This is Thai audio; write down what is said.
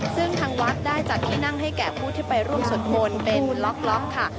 ซึ่งทางวัดได้จัดที่นั่งให้แก่ผู้ที่ไปร่วมสวดมนต์เป็นล็อกค่ะ